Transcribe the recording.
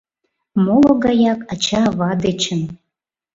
Моло гаяк ача-ава дечын.